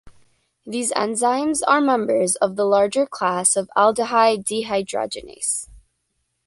These enzymes are members of the larger class of aldehyde dehydrogenases.